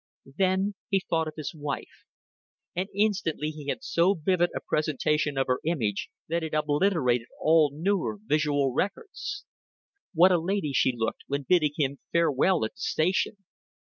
Then he thought of his wife, and instantly he had so vivid a presentation of her image that it obliterated all newer visual records. What a lady she looked when bidding him farewell at the station.